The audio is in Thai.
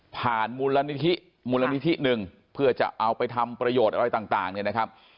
ผ่านมุรณิธิ๑เพื่อจะเอาไปทำประโยชน์อร้อยต่างเนี่ยนะครับ